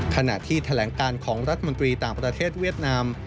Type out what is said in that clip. ขณะที่แถลงการของรัฐมนตรีต่างประเทศเวียดนาม